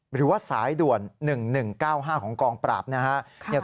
หรือว่าสายด่วน๑๑๙๕ของกองปราบนะครับ